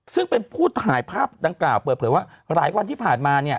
ซึ่งเป็นผู้ถ่ายภาพดังกล่าวเปิดเผยว่าหลายวันที่ผ่านมาเนี่ย